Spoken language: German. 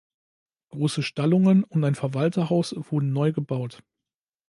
Große Stallungen und ein Verwalterhaus wurden neu gebaut.